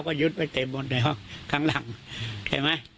ก็ยึดไว้เต็มบนในห้องข้างหลังใช่ไหม